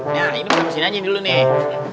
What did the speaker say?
nah ini mesin aja dulu nih